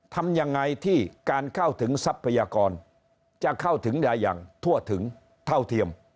ทำยังไงที่การเข้าถึงทรัพยากรจะเข้าถึงได้อย่างทั่วถึงเท่าเทียม